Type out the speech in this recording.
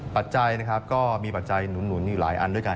ปัจจัยนะครับก็มีปัจจัยหนุนอยู่หลายอันด้วยกัน